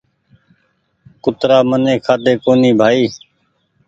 ڪُترآ مني کآڌي ڪُوني بآئي